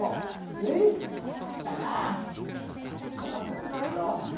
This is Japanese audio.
ねえ旦那泊まってって下さいよ。